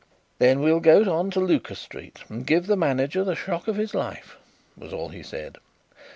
"Then we'll go on to Lucas Street and give the manager the shock of his life," was all he said.